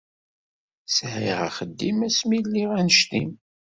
Sɛiɣ axeddim asmi lliɣ annect-im.